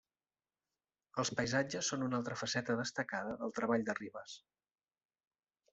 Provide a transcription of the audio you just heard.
Els paisatges són una altra faceta destacada del treball de Rivas.